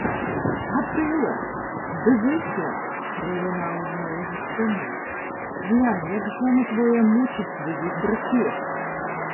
— Гатиле! Дивися! — пролунало в неї. за спиною. — Глянь, як жона твоя мучить своїх братів!